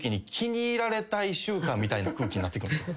みたいな空気になってくるんですよ。